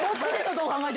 どう考えても。